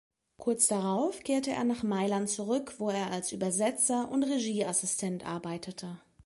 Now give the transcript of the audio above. Kurz darauf kehrte er nach Mailand zurück, wo er als Übersetzer und Regieassistent arbeitete.